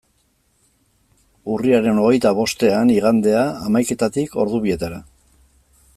Urriaren hogeita bostean, igandea, hamaiketatik ordu bietara.